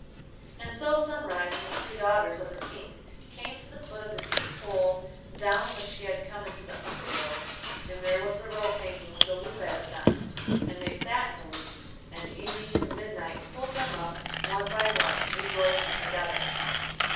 And so Sunrise and the three daughters of the King came to the foot of the deep hole down which he had come into the underworld. And there was the rope hanging with the loop at its end. And they sat in the loop, and Evening and Midnight pulled them up one by one, rejoicing together.